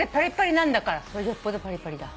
それじゃよっぽどパリパリだ。